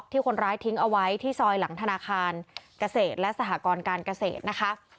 ที่คนร้ายทิ้งเอาไว้ที่ซอยหลังธนาคารกาเสธและสหกรกาลกาเสธนะคะ